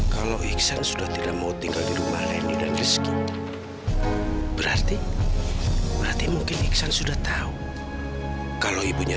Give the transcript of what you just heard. kalau ikhsan sudah tidak mau tinggal di rumah ini berarti mungkin sudah tahu kalau ibunya